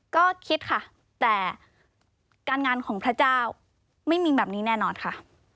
ก็คิดค่ะแต่การงานของพระเจ้าไม่มีแบบนี้แน่นอนค่ะ